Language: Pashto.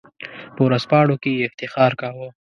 په ورځپاڼو کې یې افتخار کاوه.